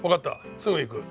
すぐ行く。